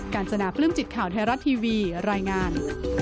การจนาภรึมจิตข่าวไทยรัฐทีวีรายงาน